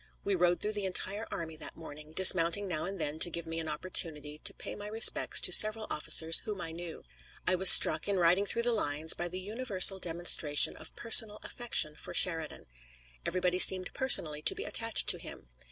We rode through the entire army that morning, dismounting now and then to give me an opportunity to pay my respects to several officers whom I knew. I was struck, in riding through the lines, by the universal demonstration of personal affection for Sheridan. Everybody seemed personally to be attached to him.